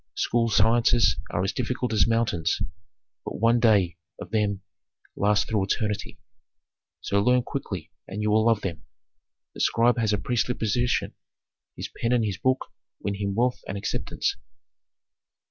School sciences are as difficult as mountains, but one day of them lasts through eternity. So learn quickly and you will love them. The scribe has a princely position; his pen and his book win him wealth and acceptance."